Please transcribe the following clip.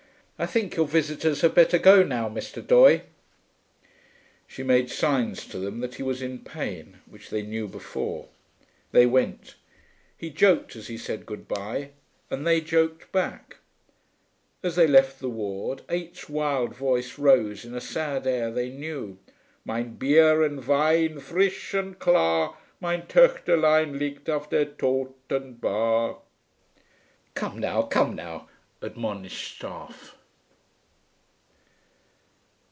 'I think your visitors had better go now, Mr. Doye.' She made signs to them that he was in pain, which they knew before. They went; he joked as he said good bye, and they joked back. As they left the ward, Eight's wild voice rose, in a sad air they knew: 'Mein Bi er und Wei ein ist fri isch und klar; Mein Töchterlein liegt auf der To otenbahr....' 'Come now, come now,' admonished Staff.